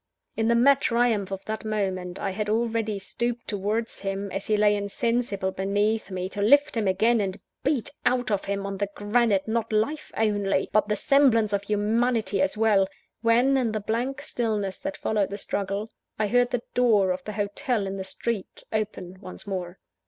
In the mad triumph of that moment, I had already stooped towards him, as he lay insensible beneath me, to lift him again, and beat out of him, on the granite, not life only, but the semblance of humanity as well; when, in the blank stillness that followed the struggle, I heard the door of the hotel in the street open once more.